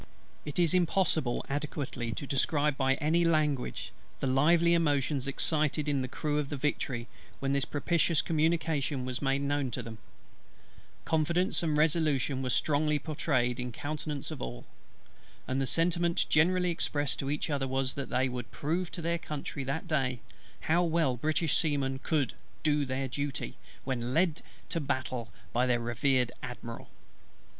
It is impossible adequately to describe by any language, the lively emotions excited in the crew of the Victory when this propitious communication was made known to them: confidence and resolution were strongly pourtrayed in the countenance of all; and the sentiment generally expressed to each other was, that they would prove to their Country that day, how well British seamen could "do their duty" when led to battle by their revered Admiral.